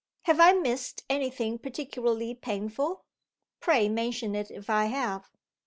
"Have I missed any thing particularly painful? Pray mention it if I have!"